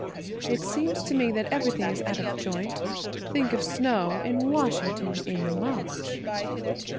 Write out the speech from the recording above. It seems to me that everything is out of joint. Think of snow in Washington in March!"